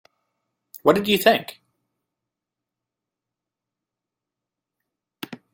What did you think?